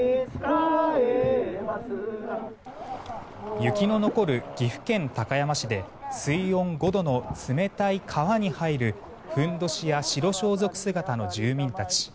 雪の残る岐阜県高山市で水温５度の冷たい川に入るふんどしや白装束姿の姿の住民たち。